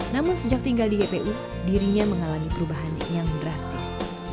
namun sejak tinggal di jpu dirinya mengalami perubahan yang drastis